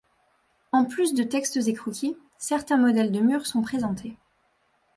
En plus de textes et croquis, certains modèles de murs sont présentés.